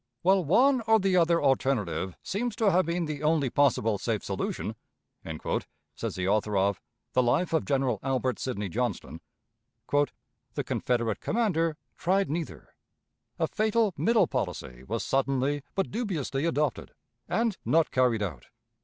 "While one or the other alternative seems to have been the only possible safe solution," says the author of "The Life of Gen. Albert Sidney Johnston," "the Confederate commander tried neither. A fatal middle policy was suddenly but dubiously adopted, and not carried out.